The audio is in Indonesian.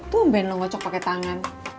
tumben lo ngocok pake tangan